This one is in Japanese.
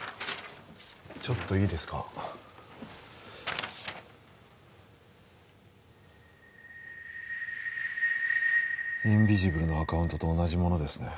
ちょっといいですかインビジブルのアカウントと同じものですね